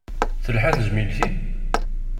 Telha tezmilt-im?